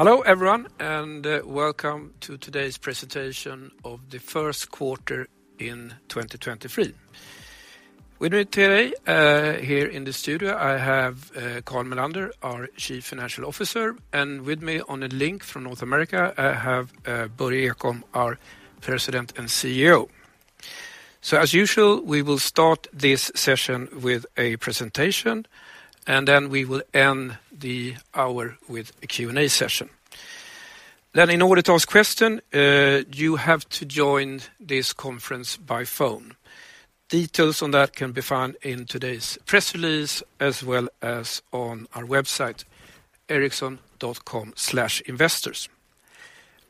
Hello everyone. Welcome to today's presentation of the first quarter in 2023. With me today, here in the studio, I have Carl Mellander, our Chief Financial Officer, and with me on a link from North America, I have Börje Ekholm, our President and CEO. As usual, we will start this session with a presentation. Then we will end the hour with a Q&A session. In order to ask question, you have to join this conference by phone. Details on that can be found in today's press release, as well as on our website, ericsson.com/investors.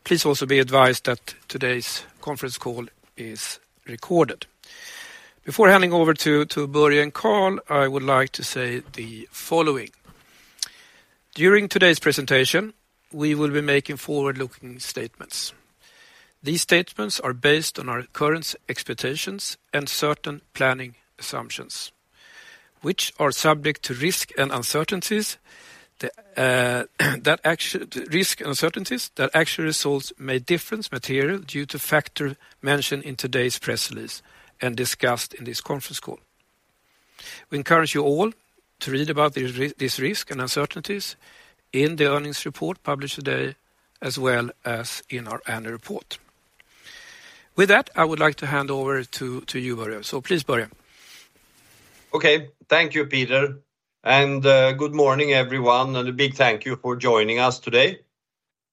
Please also be advised that today's conference call is recorded. Before handing over to Börje and Carl, I would like to say the following. During today's presentation, we will be making forward-looking statements. These statements are based on our current expectations and certain planning assumptions, which are subject to risk and uncertainties that risk uncertainties, that actual results may difference material due to factor mentioned in today's press release and discussed in this conference call. We encourage you all to read about this risk and uncertainties in the earnings report published today, as well as in our annual report. With that, I would like to hand over to you, Börje. Please, Börje. Okay. Thank you, Peter. Good morning, everyone. A big thank you for joining us today.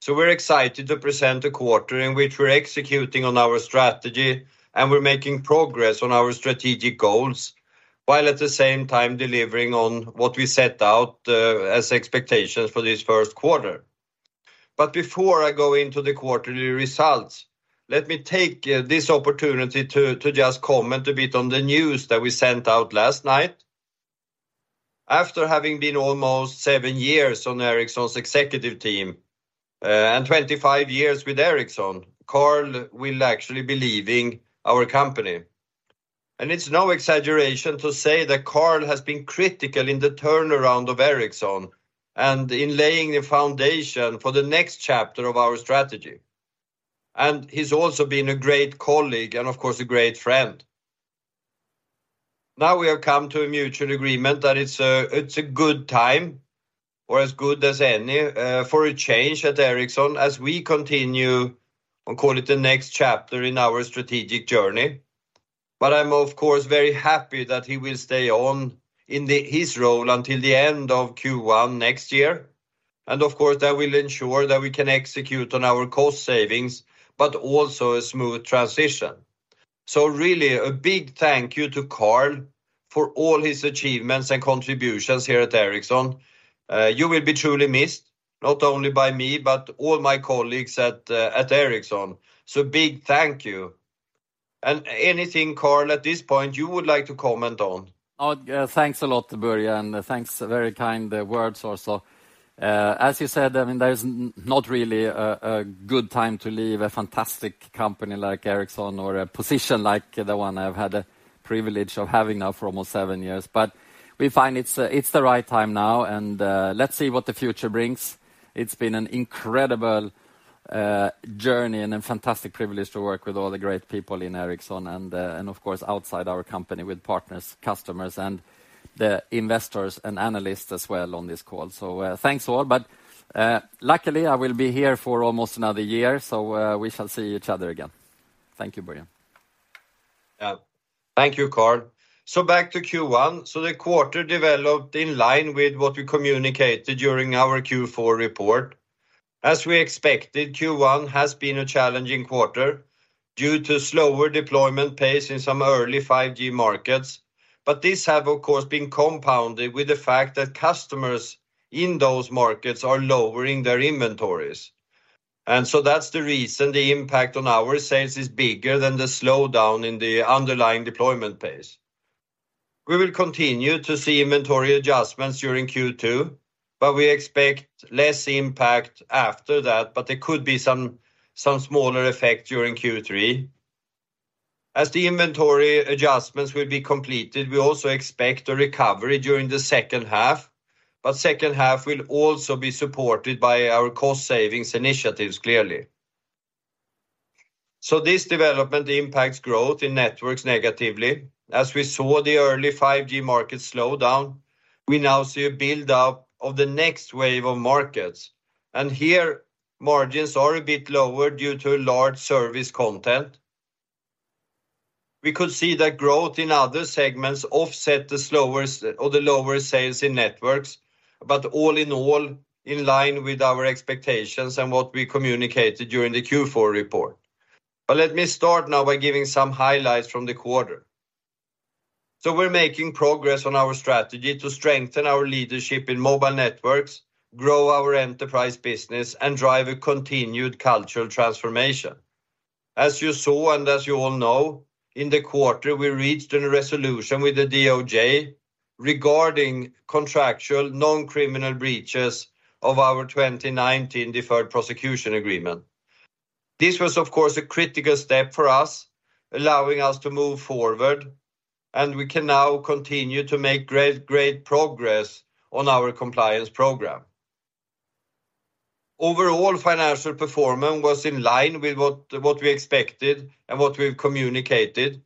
We're excited to present a quarter in which we're executing on our strategy and we're making progress on our strategic goals, while at the same time delivering on what we set out as expectations for this first quarter. Before I go into the quarterly results, let me take this opportunity to just comment a bit on the news that we sent out last night. After having been almost seven years on Ericsson's executive team, and 25 years with Ericsson, Carl will actually be leaving our company. It's no exaggeration to say that Carl has been critical in the turnaround of Ericsson and in laying the foundation for the next chapter of our strategy. He's also been a great colleague and of course, a great friend. Now we have come to a mutual agreement that it's a good time or as good as any for a change at Ericsson as we continue, I'll call it the next chapter in our strategic journey. I'm of course, very happy that he will stay on in his role until the end of Q1 next year. Of course, that will ensure that we can execute on our cost savings, but also a smooth transition. Really a big thank you to Carl for all his achievements and contributions here at Ericsson. You will be truly missed, not only by me, but all my colleagues at Ericsson. Big thank you. Anything, Carl, at this point you would like to comment on? Yeah, thanks a lot, Börje. Thanks, very kind words also. As you said, I mean, there's not really a good time to leave a fantastic company like Ericsson or a position like the one I've had the privilege of having now for almost seven years. We find it's the right time now. Let's see what the future brings. It's been an incredible journey and a fantastic privilege to work with all the great people in Ericsson and, of course, outside our company with partners, customers, and the investors and analysts as well on this call. Thanks all. Luckily, I will be here for almost another year, we shall see each other again. Thank you, Börje. Yeah. Thank you, Carl. Back to Q1. The quarter developed in line with what we communicated during our Q4 report. As we expected, Q1 has been a challenging quarter due to slower deployment pace in some early 5G markets. These have, of course, been compounded with the fact that customers in those markets are lowering their inventories. That's the reason the impact on our sales is bigger than the slowdown in the underlying deployment pace. We will continue to see inventory adjustments during Q2, but we expect less impact after that, but there could be some smaller effect during Q3. As the inventory adjustments will be completed, we also expect a recovery during the second half, but second half will also be supported by our cost savings initiatives, clearly. This development impacts growth in networks negatively. As we saw the early 5G market slow down, we now see a build-up of the next wave of markets. Here, margins are a bit lower due to large service content. We could see that growth in other segments offset the slower or the lower sales in networks, all in all, in line with our expectations and what we communicated during the Q4 report. Let me start now by giving some highlights from the quarter. We're making progress on our strategy to strengthen our leadership in mobile networks, grow our enterprise business, and drive a continued cultural transformation. As you saw and as you all know, in the quarter, we reached a resolution with the DOJ regarding contractual non-criminal breaches of our 2019 deferred prosecution agreement. This was, of course, a critical step for us, allowing us to move forward, and we can now continue to make great progress on our compliance program. Overall financial performance was in line with what we expected and what we've communicated.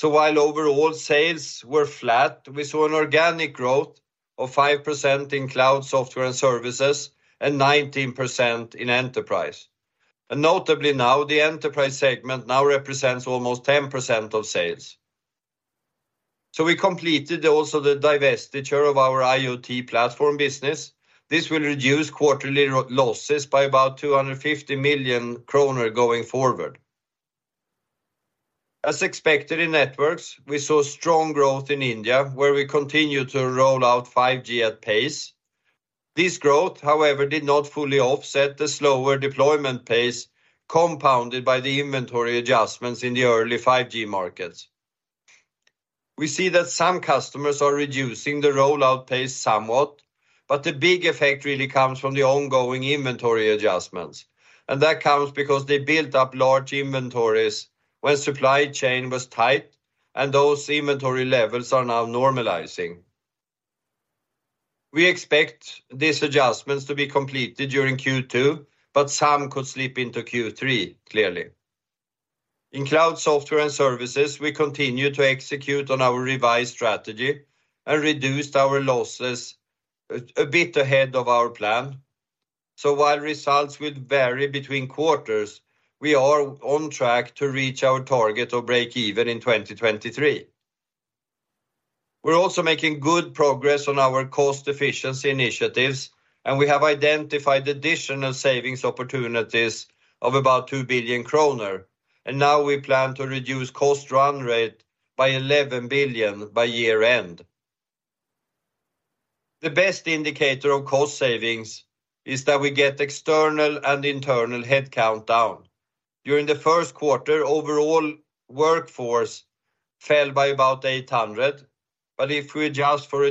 While overall sales were flat, we saw an organic growth of 5% in Cloud Software and Services and 19% in Enterprise. Notably now, the enterprise segment now represents almost 10% of sales. We completed also the divestiture of our IoT platform business. This will reduce quarterly losses by about 250 million kronor going forward. As expected in networks, we saw strong growth in India, where we continue to roll out 5G at pace. This growth, however, did not fully offset the slower deployment pace compounded by the inventory adjustments in the early 5G markets. We see that some customers are reducing the rollout pace somewhat, the big effect really comes from the ongoing inventory adjustments. That comes because they built up large inventories when supply chain was tight, and those inventory levels are now normalizing. We expect these adjustments to be completed during Q2, some could slip into Q3, clearly. In Cloud Software and Services, we continue to execute on our revised strategy and reduced our losses a bit ahead of our plan. While results will vary between quarters, we are on track to reach our target or break even in 2023. We're also making good progress on our cost efficiency initiatives. We have identified additional savings opportunities of about 2 billion kronor. Now we plan to reduce cost run rate by 11 billion by year-end. The best indicator of cost savings is that we get external and internal headcount down. During the first quarter, overall workforce fell by about 800, but if we adjust for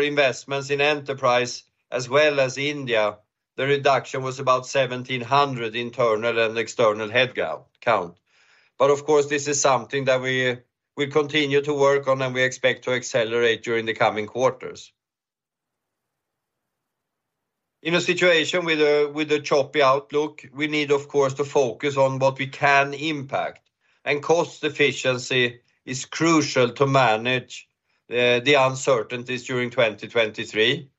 investments in enterprise as well as India, the reduction was about 1,700 internal and external headcount. Of course, this is something that we will continue to work on, and we expect to accelerate during the coming quarters. In a situation with a choppy outlook, we need, of course, to focus on what we can impact. Cost efficiency is crucial to manage the uncertainties during 2023.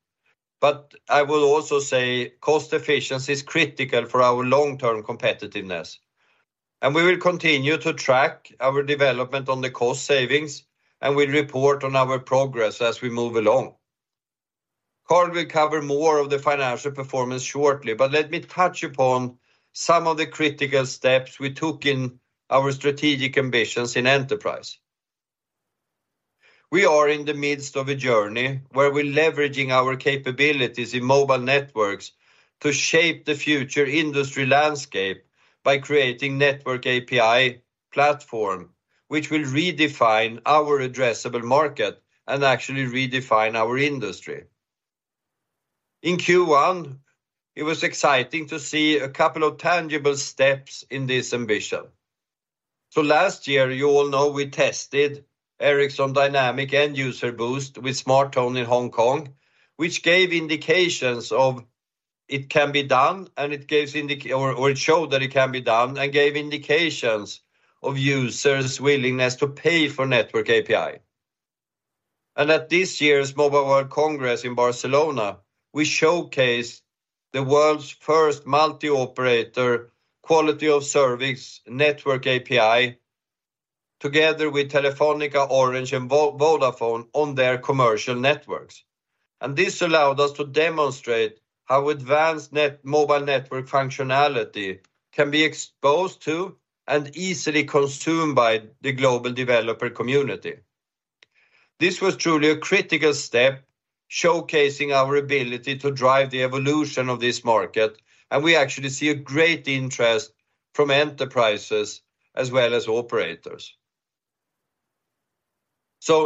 I will also say cost efficiency is critical for our long-term competitiveness. We will continue to track our development on the cost savings, and we'll report on our progress as we move along. Carl will cover more of the financial performance shortly, but let me touch upon some of the critical steps we took in our strategic ambitions in enterprise. We are in the midst of a journey where we're leveraging our capabilities in mobile networks to shape the future industry landscape by creating network API platform, which will redefine our addressable market and actually redefine our industry. In Q1, it was exciting to see a couple of tangible steps in this ambition. Last year, you all know we tested Ericsson Dynamic End-user Boost with SmarTone in Hong Kong, which gave indications of it can be done, and it showed that it can be done and gave indications of users' willingness to pay for network API. At this year's Mobile World Congress in Barcelona, we showcased the world's first multi-operator quality-of-service network API together with Telefónica, Orange, and Vodafone on their commercial networks. This allowed us to demonstrate how advanced mobile network functionality can be exposed to and easily consumed by the global developer community. This was truly a critical step showcasing our ability to drive the evolution of this market, and we actually see a great interest from enterprises as well as operators.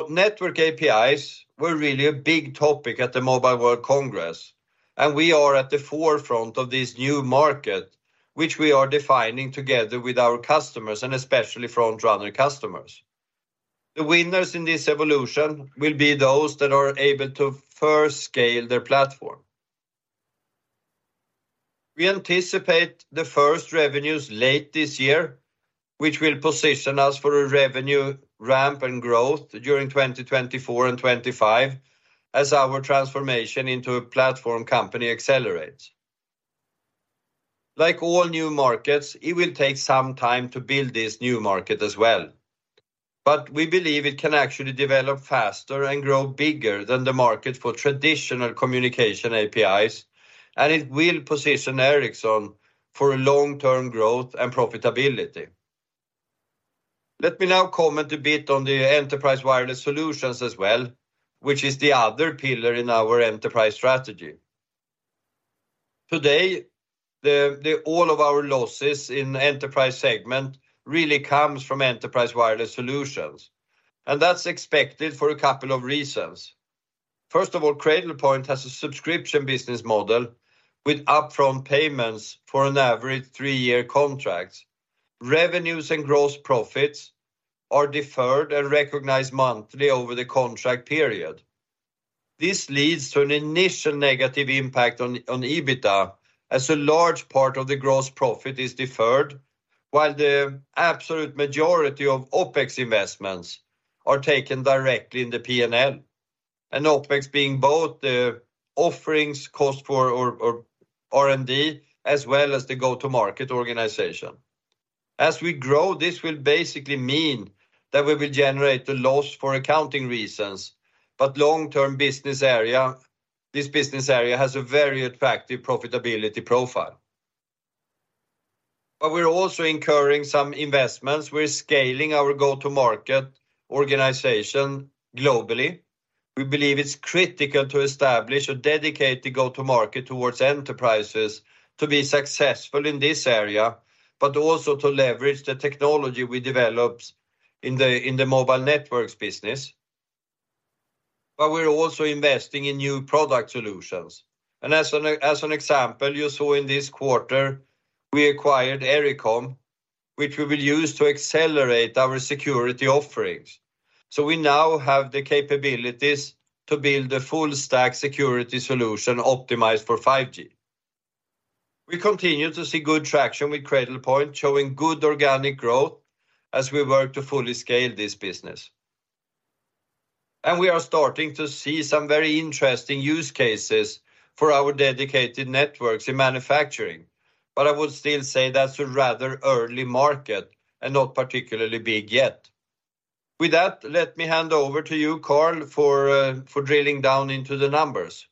Network APIs were really a big topic at the Mobile World Congress, and we are at the forefront of this new market, which we are defining together with our customers and especially front-runner customers. The winners in this evolution will be those that are able to first scale their platform. We anticipate the first revenues late this year, which will position us for a revenue ramp and growth during 2024 and 2025 as our transformation into a platform company accelerates. Like all new markets, it will take some time to build this new market as well. We believe it can actually develop faster and grow bigger than the market for traditional communication APIs, and it will position Ericsson for a long-term growth and profitability. Let me now comment a bit on the Enterprise Wireless Solutions as well, which is the other pillar in our enterprise strategy. Today, all of our losses in enterprise segment really comes from Enterprise Wireless Solutions. That's expected for a couple of reasons. First of all, Cradlepoint has a subscription business model with upfront payments for an average three-year contract. Revenues and gross profits are deferred and recognized monthly over the contract period. This leads to an initial negative impact on EBITDA as a large part of the gross profit is deferred while the absolute majority of OpEx investments are taken directly in the P&L. OpEx being both the offerings cost for or R&D as well as the go-to-market organization. As we grow, this will basically mean that we will generate a loss for accounting reasons, but long-term business area, this business area has a very attractive profitability profile. We're also incurring some investments. We're scaling our go-to-market organization globally. We believe it's critical to establish a dedicated go-to-market towards enterprises to be successful in this area, but also to leverage the technology we developed in the mobile networks business. We're also investing in new product solutions. As an example, you saw in this quarter, we acquired Ericom, which we will use to accelerate our security offerings. We now have the capabilities to build a full stack security solution optimized for 5G. We continue to see good traction with Cradlepoint, showing good organic growth as we work to fully scale this business. We are starting to see some very interesting use cases for our dedicated networks in manufacturing. I would still say that's a rather early market and not particularly big yet. With that, let me hand over to you, Carl, for drilling down into the numbers.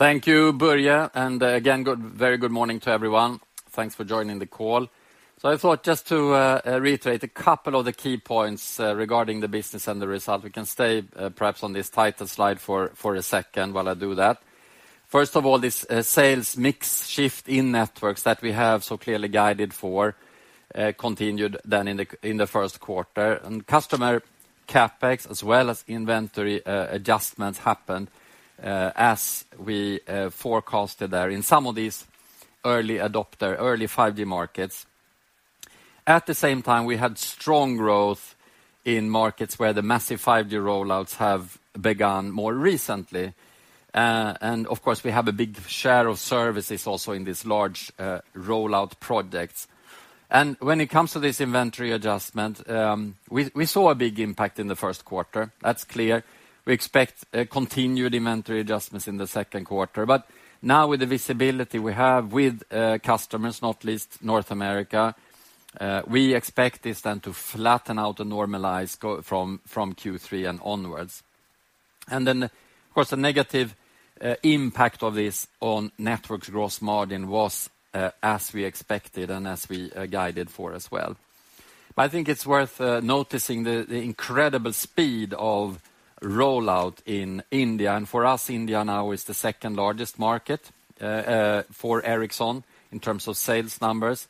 Thank you, Börje. Again, very good morning to everyone. Thanks for joining the call. I thought just to reiterate a couple of the key points regarding the business and the result. We can stay perhaps on this title slide for a second while I do that. First of all, this sales mix shift in networks that we have so clearly guided for continued then in the first quarter. Customer CapEx as well as inventory adjustments happened as we forecasted there in some of these early adopter, early 5G markets. At the same time, we had strong growth in markets where the massive 5G rollouts have begun more recently. Of course we have a big share of services also in these large rollout projects. When it comes to this inventory adjustment, we saw a big impact in the first quarter. That's clear. We expect continued inventory adjustments in the second quarter. Now with the visibility we have with customers, not least North America, we expect this then to flatten out and normalize go from Q3 and onwards. Of course, the negative impact of this on networks gross margin was as we expected and as we guided for as well. I think it's worth noticing the incredible speed of rollout in India. For us, India now is the second largest market for Ericsson in terms of sales numbers.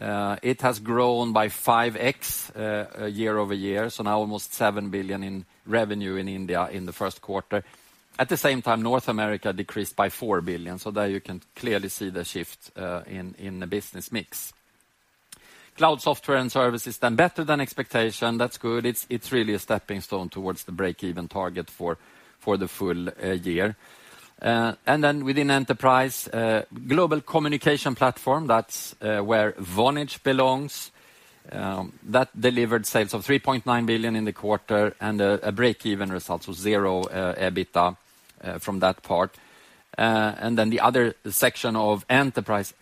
It has grown by 5x year-over-year, so now almost 7 billion in revenue in India in the first quarter. At the same time, North America decreased by 4 billion, so there you can clearly see the shift in the business mix. Cloud Software and Services done better than expectation. That's good. It's really a stepping stone towards the break-even target for the full year. Within Enterprise, Global Communication Platform, that's where Vonage belongs, that delivered sales of 3.9 billion in the quarter and a break-even result, so zero EBITDA from that part. The other section of Enterprise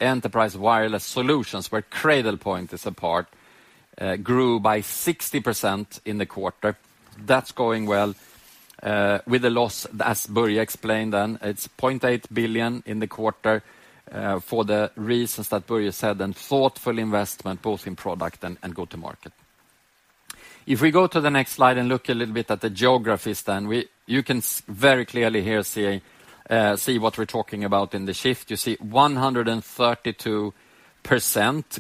Wireless Solutions, where Cradlepoint is a part, grew by 60% in the quarter. That's going well, with a loss, as Börje explained then. It's 0.8 billion in the quarter, for the reasons that Börje said, and thoughtful investment both in product and go-to-market. If we go to the next slide and look a little bit at the geographies then, you can very clearly here see what we're talking about in the shift. You see 132%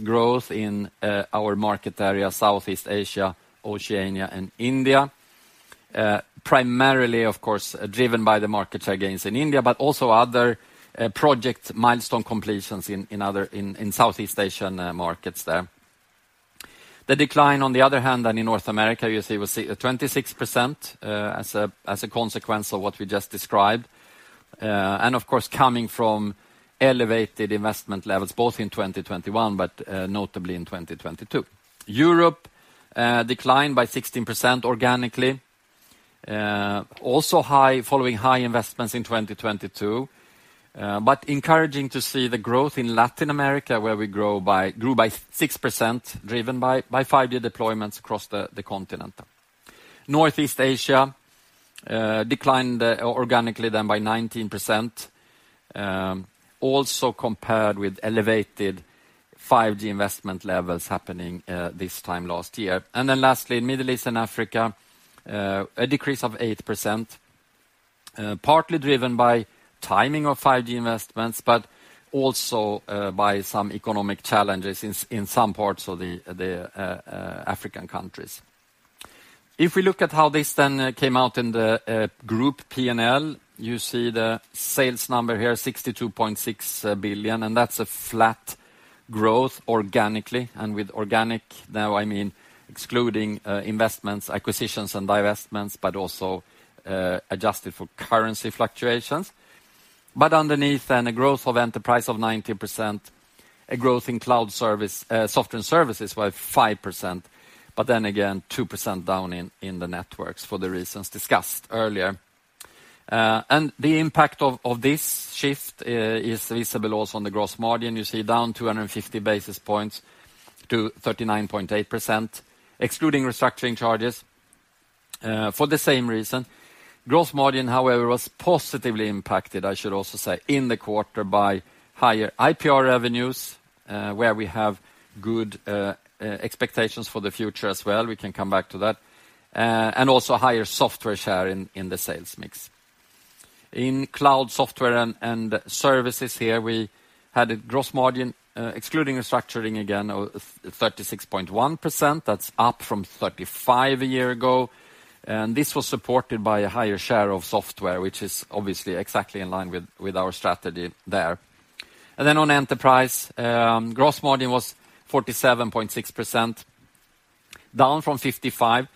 growth in our market area, Southeast Asia, Oceania and India. Primarily, of course, driven by the market gains in India, but also other project milestone completions in other Southeast Asian markets there. The decline, on the other hand, than in North America, you see, we see 26% as a consequence of what we just described, and of course, coming from elevated investment levels, both in 2021, but notably in 2022. Europe declined by 16% organically. Also high, following high investments in 2022. Encouraging to see the growth in Latin America, where we grew by 6%, driven by five-year deployments across the continent. Northeast Asia declined organically then by 19%, also compared with elevated 5G investment levels happening this time last year. Lastly, Middle East and Africa, a decrease of 8%, partly driven by timing of 5G investments, but also by some economic challenges in some parts of the African countries. If we look at how this then came out in the group P&L, you see the sales number here, 62.6 billion, that's a flat growth organically. With organic now, I mean excluding investments, acquisitions, and divestments, but also adjusted for currency fluctuations. Underneath, a growth of Enterprise of 90%, a growth in Cloud Software and Services by 5%. Again, 2% down in the networks for the reasons discussed earlier. The impact of this shift is visible also on the gross margin. You see down 250 basis points to 39.8%, excluding restructuring charges, for the same reason. Gross margin, however, was positively impacted, I should also say, in the quarter, by higher IPR revenues, where we have good expectations for the future as well. We can come back to that. Also higher software share in the sales mix. In Cloud Software and Services here, we had a gross margin, excluding restrucuring again of 36.1%. That's up from 35% a year ago, and this was supported by a higher share of software, which is obviously exactly in line with our strategy there. On enterprise, gross margin was 47.6%, down from 55,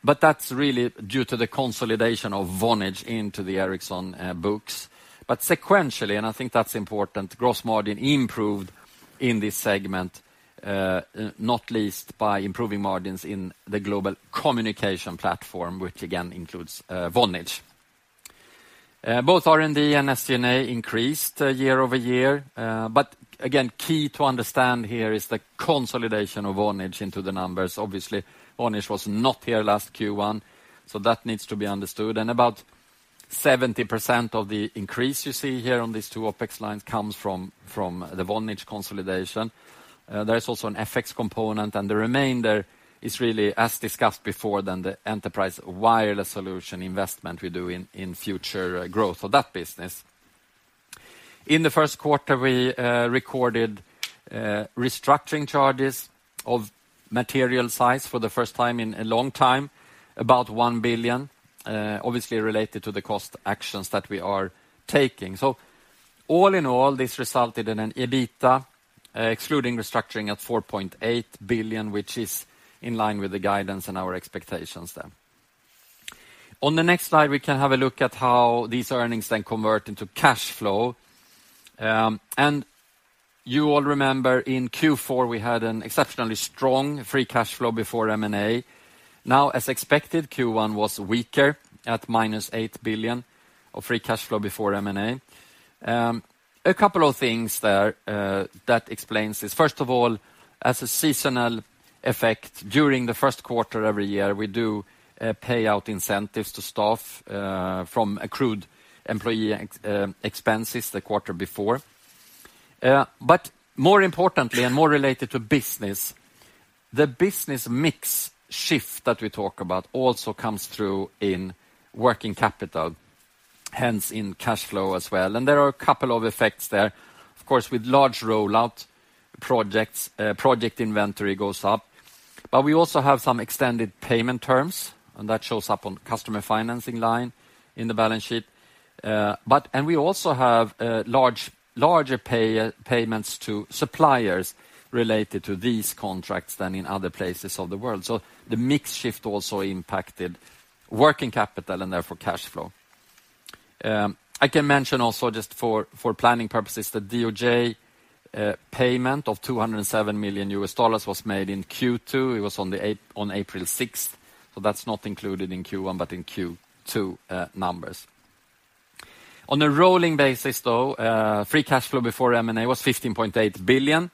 but that's really due to the consolidation of Vonage into the Ericsson books. Sequentially, and I think that's important, gross margin improved in this segment, not least by improving margins in the Global Communication Platform, which again includes Vonage. Both R&D and SG&A increased year-over-year, but again, key to understand here is the consolidation of Vonage into the numbers. Obviously, Vonage was not here last Q1, so that needs to be understood. About 70% of the increase you see here on these two OpEx lines comes from the Vonage consolidation. There is also an FX component, and the remainder is really, as discussed before, than the Enterprise Wireless Solutions investment we do in future growth of that business. In the first quarter, we recorded restructuring charges of material size for the first time in a long time, about 1 billion, obviously related to the cost actions that we are taking. All in all, this resulted in an EBITDA, excluding restructuring at 4.8 billion, which is in line with the guidance and our expectations then. On the next slide, we can have a look at how these earnings then convert into cash flow. You all remember in Q4, we had an exceptionally strong free cash flow before M&A. As expected, Q1 was weaker at -8 billion of free cash flow before M&A. A couple of things there that explains this. First of all, as a seasonal effect, during the first quarter every year, we do payout incentives to staff from accrued employee expenses the quarter before. More importantly and more related to business, the business mix shift that we talk about also comes through in working capital, hence in cash flow as well. There are a couple of effects there. Of course, with large rollout projects, project inventory goes up. We also have some extended payment terms, and that shows up on customer financing line in the balance sheet. And we also have larger payments to suppliers related to these contracts than in other places of the world. The mix shift also impacted working capital and therefore cash flow. I can mention also just for planning purposes, the DOJ payment of $207 million was made in Q2. It was on April 6th. That's not included in Q1, but in Q2 numbers. On a rolling basis, though, free cash flow before M&A was 15.8 billion,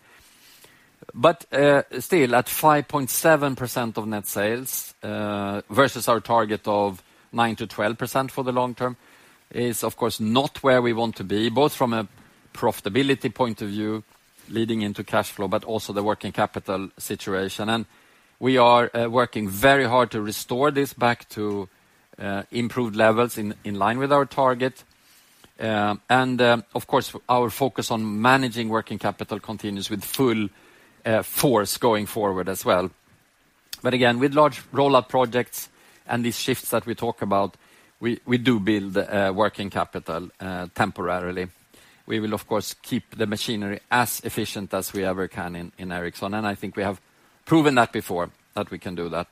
still at 5.7% of net sales versus our target of 9%-12% for the long term is, of course, not where we want to be, both from a profitability point of view leading into cash flow, but also the working capital situation. We are working very hard to restore this back to improved levels in line with our target. Of course, our focus on managing working capital continues with full force going forward as well. Again, with large rollout projects and these shifts that we talk about, we do build working capital temporarily. We will, of course, keep the machinery as efficient as we ever can in Ericsson, and I think we have proven that before that we can do that.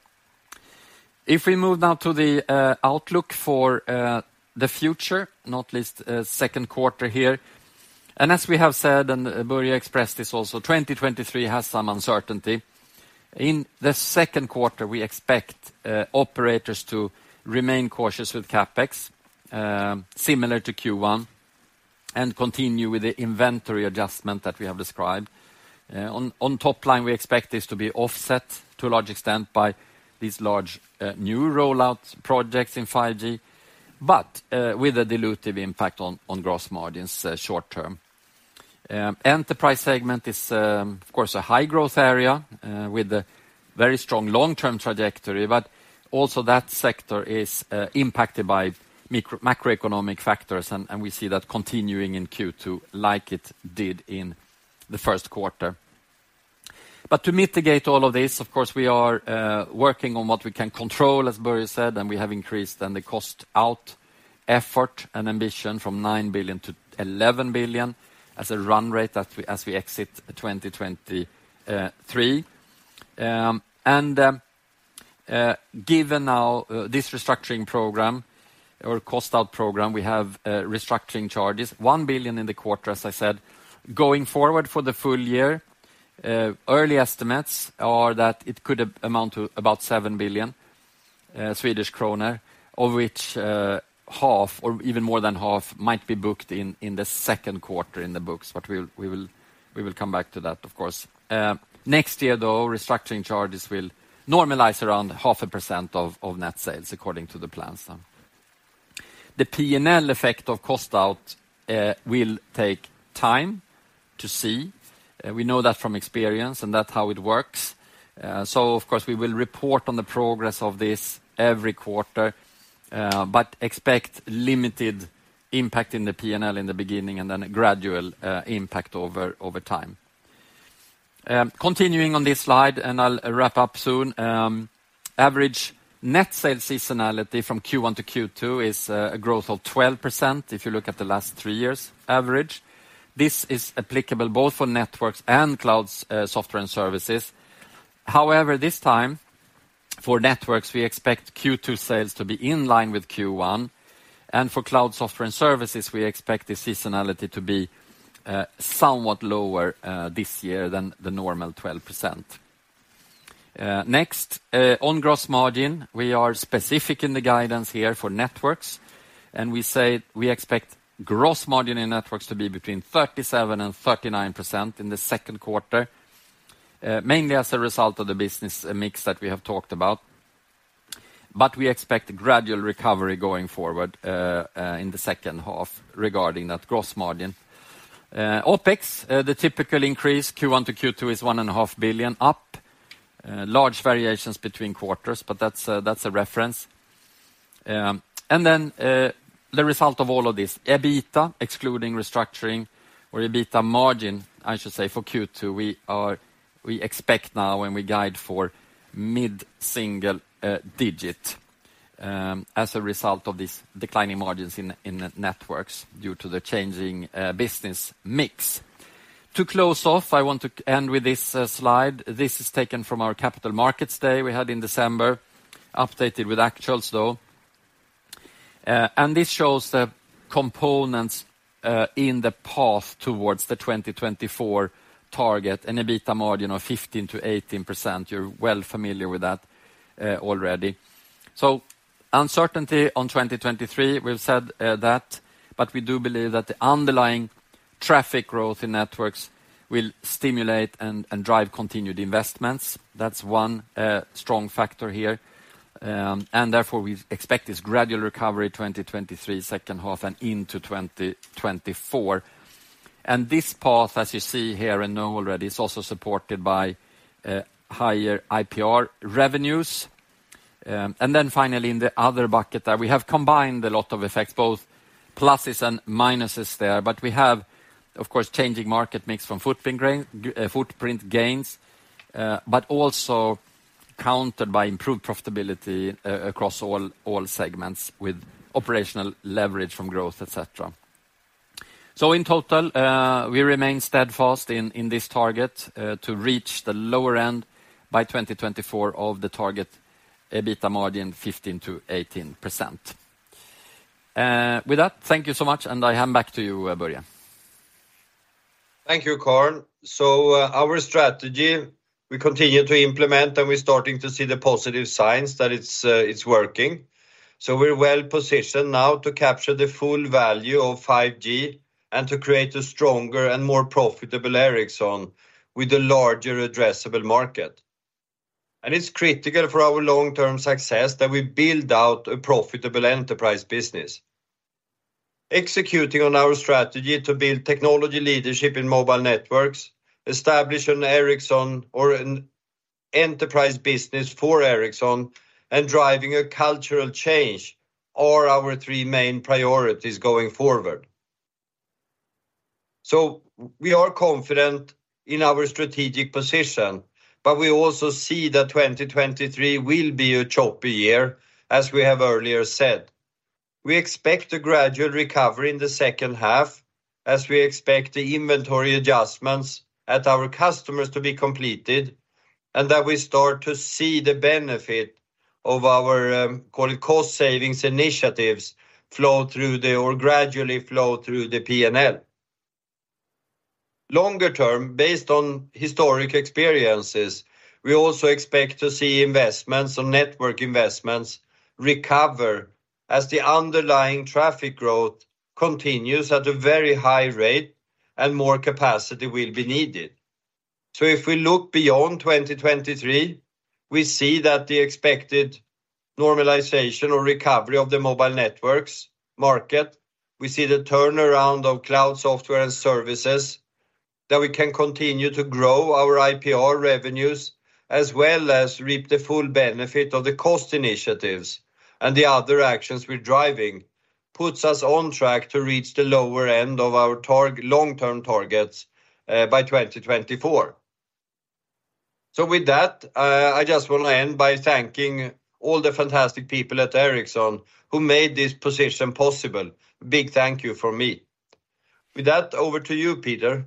If we move now to the outlook for the future, not least, second quarter here, as we have said, Börje expressed this also, 2023 has some uncertainty. In the second quarter, we expect operators to remain cautious with CapEx, similar to Q1, and continue with the inventory adjustment that we have described. On top line, we expect this to be offset to a large extent by these large new rollout projects in 5G, with a dilutive impact on gross margins short-term. Enterprise segment is, of course, a high growth area, with a very strong long-term trajectory, but also that sector is impacted by macroeconomic factors, and we see that continuing in Q2 like it did in the first quarter. To mitigate all of this, of course, we are working on what we can control, as Börje said, and we have increased then the cost out effort and ambition from 9 billion to 11 billion as a run rate as we exit 2023. Given our this restructuring program or cost out program, we have restructuring charges, 1 billion in the quarter, as I said. Going forward for the full year, early estimates are that it could amount to about 7 billion Swedish kronor, of which half or even more than half might be booked in the second quarter in the books, but we will come back to that, of course. Next year, though, restructuring charges will normalize around 0.5% of net sales according to the plans now. The P&L effect of cost out will take time to see. We know that from experience, and that's how it works. Of course, we will report on the progress of this every quarter, but expect limited impact in the P&L in the beginning and then a gradual impact over time. Continuing on this slide, and I'll wrap up soon, average net sales seasonality from Q1 to Q2 is a growth of 12% if you look at the last three years' average. This is applicable both for Networks and Cloud Software and Services. However, this time, for Networks, we expect Q2 sales to be in line with Q1, and for Cloud Software and Services, we expect the seasonality to be somewhat lower this year than the normal 12%. Next, on gross margin, we are specific in the guidance here for Networks. We say we expect gross margin in Networks to be between 37%-39% in Q2, mainly as a result of the business mix that we have talked about. We expect gradual recovery going forward in the second half regarding that gross margin. OpEx, the typical increase, Q1 to Q2 is 1.5 billion up. Large variations between quarters, but that's a reference. The result of all of this, EBITDA excluding restructuring or EBITDA margin, I should say, for Q2, we expect now and we guide for mid-single digit, as a result of these declining margins in Networks due to the changing business mix. To close off, I want to end with this slide. This is taken from our Capital Markets Day we had in December, updated with actuals, though. This shows the components in the path towards the 2024 target and EBITDA margin of 15%-18%. You're well familiar with that already. Uncertainty on 2023, we've said that, but we do believe that the underlying traffic growth in networks will stimulate and drive continued investments. That's one strong factor here. Therefore we expect this gradual recovery 2023, second half and into 2024. This path, as you see here and know already, is also supported by higher IPR revenues. Finally, in the other bucket that we have combined a lot of effects, both pluses and minuses there. We have, of course, changing market mix from footprint gains, but also countered by improved profitability across all segments with operational leverage from growth, et cetera. In total, we remain steadfast in this target to reach the lower end by 2024 of the target EBITDA margin 15%-18%. With that, thank you so much, and I hand back to you, Börje. Thank you, Carl. Our strategy, we continue to implement, and we're starting to see the positive signs that it's working. We're well-positioned now to capture the full value of 5G and to create a stronger and more profitable Ericsson with a larger addressable market. It's critical for our long-term success that we build out a profitable enterprise business. Executing on our strategy to build technology leadership in mobile networks, establish an enterprise business for Ericsson and driving a cultural change are our three main priorities going forward. We are confident in our strategic position, but we also see that 2023 will be a choppy year, as we have earlier said. We expect a gradual recovery in the second half as we expect the inventory adjustments at our customers to be completed and that we start to see the benefit of our, call it cost savings initiatives gradually flow through the P&L. Longer term, based on historic experiences, we also expect to see investments on network investments recover as the underlying traffic growth continues at a very high rate and more capacity will be needed. If we look beyond 2023, we see that the expected normalization or recovery of the mobile networks market, we see the turnaround of Cloud Software and Services that we can continue to grow our IPR revenues as well as reap the full benefit of the cost initiatives and the other actions we're driving, puts us on track to reach the lower end of our long-term targets by 2024. With that, I just want to end by thanking all the fantastic people at Ericsson who made this position possible. Big thank you from me. With that, over to you, Peter.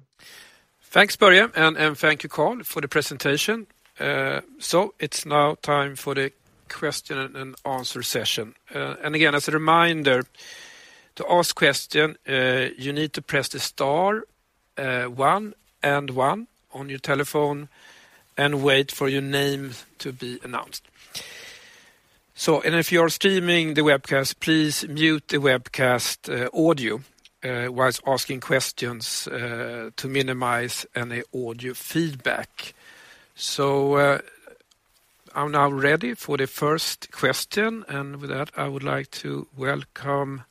Thanks, Börje, and thank you Carl for the presentation. It's now time for the question and answer session. Again, as a reminder, to ask question, you need to press the star, one and one on your telephone and wait for your name to be announced. If you're streaming the webcast, please mute the webcast audio while asking questions to minimize any audio feedback. I'm now ready for the first question. With that, I would like to welcome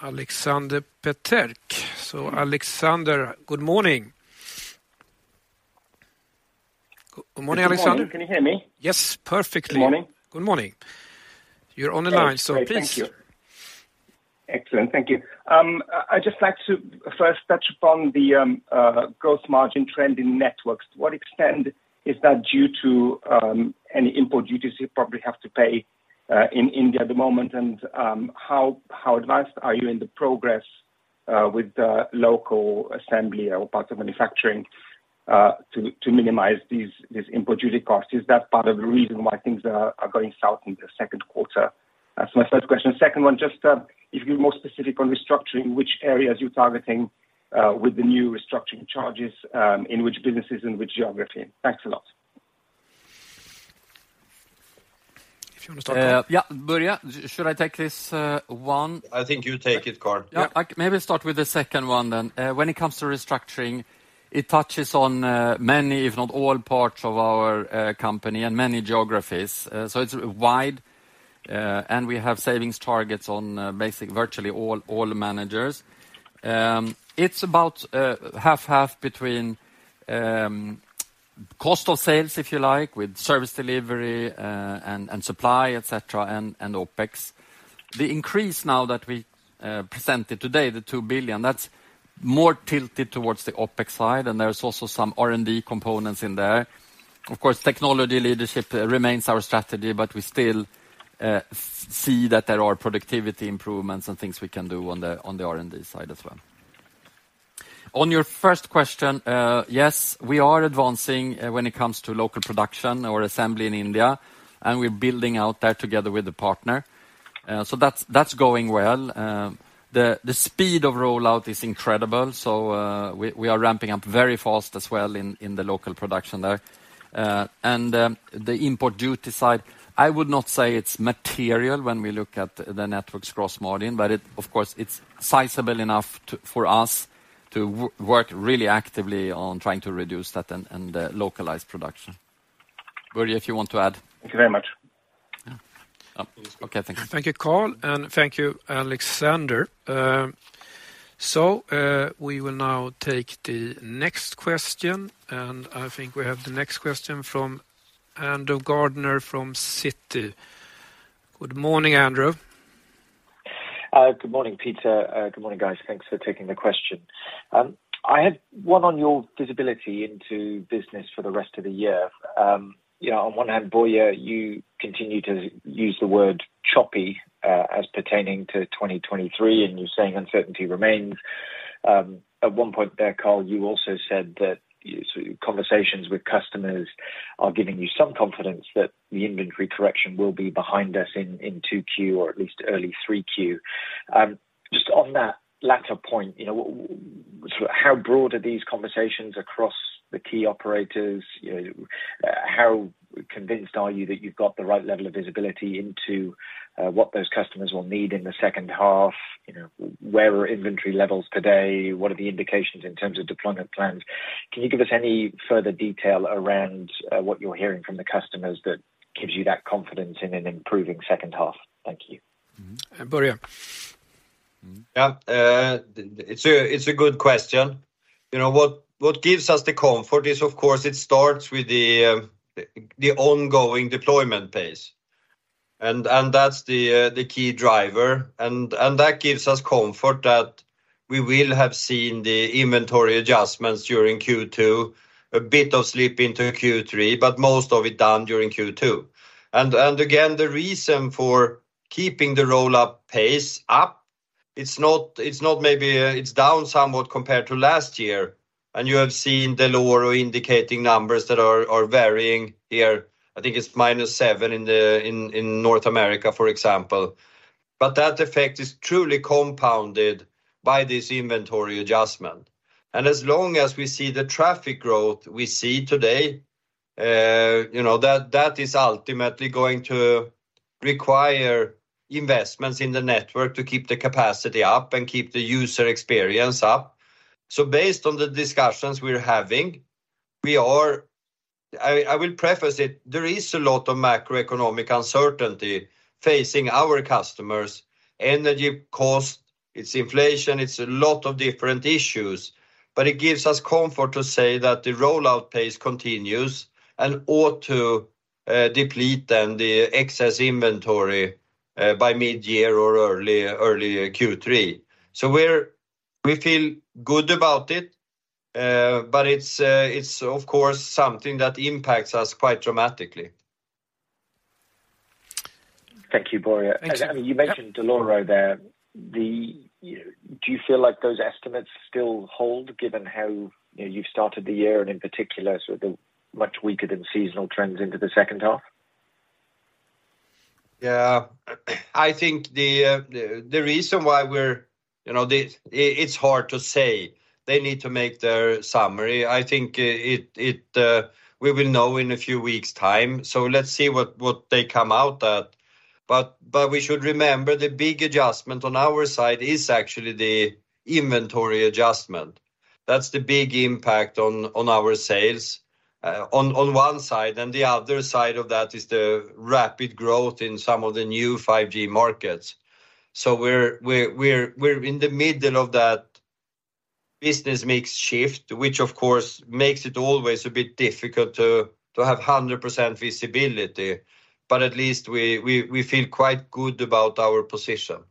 Alexander Peterc. Alexander, good morning. Good morning, Alexander. Good morning. Can you hear me? Yes, perfectly. Good morning. Good morning. You're on the line. Please. Great. Thank you. Excellent. Thank you. I'd just like to first touch upon the gross margin trend in Networks. To what extent is that due to any import duties you probably have to pay in India at the moment? How advanced are you in the progress with the local assembly or parts of manufacturing to minimize these import duty costs? Is that part of the reason why things are going south in the second quarter? That's my first question. Second one, just if you're more specific on restructuring, which areas you're targeting with the new restructuring charges, in which businesses and which geography. Thanks a lot. If you wanna start, Carl. Börje, should I take this one? I think you take it, Carl. Yeah. Maybe I start with the second one then. When it comes to restructuring, it touches on many, if not all, parts of our company and many geographies. It's wide, and we have savings targets on virtually all managers. It's about 50/50 between cost of sales, if you like, with service delivery, and supply, et cetera, and OpEx. The increase now that we presented today, the 2 billion, that's more tilted towards the OpEx side, and there's also some R&D components in there. Of course, technology leadership remains our strategy, but we still see that there are productivity improvements and things we can do on the R&D side as well. On your first question, yes, we are advancing when it comes to local production or assembly in India, and we're building out that together with a partner. That's going well. The speed of rollout is incredible. We are ramping up very fast as well in the local production there. The import duty side, I would not say it's material when we look at the Networks' gross margin, but of course, it's sizable enough for us to work really actively on trying to reduce that and localize production. Börje, if you want to add. Thank you very much. Yeah. Oh, okay. Thank you. Thank you, Carl, and thank you, Alexander. We will now take the next question, and I think we have the next question from Andrew Gardiner from Citi. Good morning, Andrew. Good morning, Peter. Good morning, guys. Thanks for taking the question. I had one on your visibility into business for the rest of the year. you know, on one hand, Börje, you continue to use the word choppy as pertaining to 2023, and you're saying uncertainty remains. At one point there, Carl, you also said that sort of conversations with customers are giving you some confidence that the inventory correction will be behind us in 2Q or at least early 3Q. Just on that latter point, you know, sort of how broad are these conversations across the key operators? You know, how convinced are you that you've got the right level of visibility into what those customers will need in the second half? You know, where are inventory levels today? What are the indications in terms of deployment plans? Can you give us any further detail around what you're hearing from the customers that gives you that confidence in an improving second half? Thank you. Börje. Yeah. It's a good question. You know, what gives us the comfort is, of course, it starts with the ongoing deployment pace, and that's the key driver, and that gives us comfort that we will have seen the inventory adjustments during Q2, a bit of slip into Q3, but most of it down during Q2. Again, the reason for keeping the roll-up pace up, it's not, it's down somewhat compared to last year. You have seen the lower indicating numbers that are varying here. I think it's -7 in North America, for example. That effect is truly compounded by this inventory adjustment. As long as we see the traffic growth we see today, you know, that is ultimately going to require investments in the network to keep the capacity up and keep the user experience up. Based on the discussions we're having, I will preface it, there is a lot of macroeconomic uncertainty facing our customers. Energy cost, it's inflation, it's a lot of different issues. It gives us comfort to say that the rollout pace continues and ought to deplete then the excess inventory by mid-year or early Q3. We feel good about it, but it's of course something that impacts us quite dramatically. Thank you, Börje. Thanks, Andrew. You mentioned there. Do you feel like those estimates still hold given how, you know, you've started the year and in particular sort of the much weaker than seasonal trends into the second half? Yeah. I think the reason why we're, you know, it's hard to say. They need to make their summary. I think we will know in a few weeks' time. Let's see what they come out at. We should remember the big adjustment on our side is actually the inventory adjustment. That's the big impact on our sales, on one side, and the other side of that is the rapid growth in some of the new 5G markets. We're in the middle of that business mix shift, which of course makes it always a bit difficult to have 100% visibility. At least we feel quite good about our position.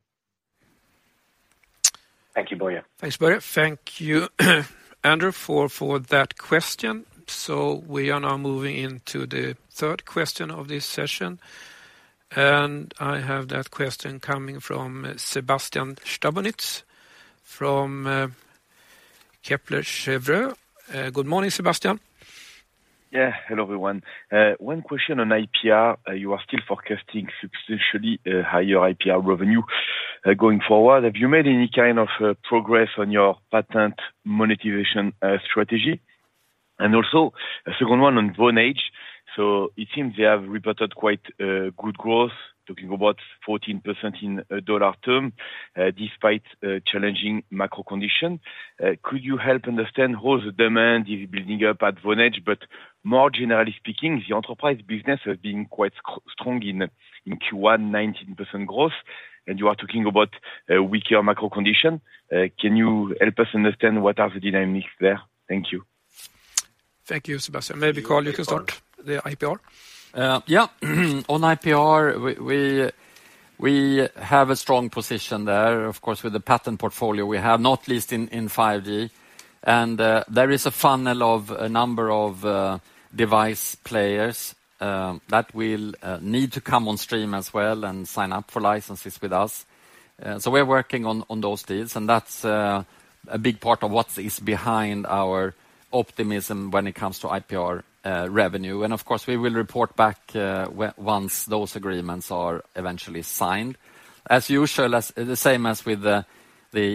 Thank you, Börje. Thanks, Börje. Thank you, Andrew, for that question. We are now moving into the third question of this session. I have that question coming from Sébastien Sztabowicz from Kepler Cheuvreux. Good morning, Sébastien. Hello everyone. One question on IPR. You are still forecasting substantially higher IPR revenue going forward. Have you made any kind of progress on your patent monetization strategy? Also a second one on Vonage. It seems they have reported quite good growth, talking about 14% in dollar term, despite challenging macro condition. Could you help understand how the demand is building up at Vonage? More generally speaking, the enterprise business has been quite strong in Q1, 19% growth, and you are talking about a weaker macro condition. Can you help us understand what are the dynamics there? Thank you. Thank you, Sébastien. Maybe Carl, you can start the IPR. Yeah. On IPR, we have a strong position there, of course, with the patent portfolio we have, not least in 5G. There is a funnel of a number of device players that will need to come on stream as well and sign up for licenses with us. We're working on those deals, and that's a big part of what is behind our optimism when it comes to IPR revenue. Of course, we will report back once those agreements are eventually signed. As usual, the same as with the